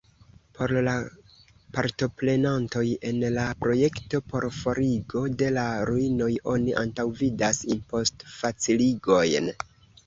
Por la partoprenantoj en la projekto por forigo de la ruinoj oni antaŭvidas impostfaciligojn.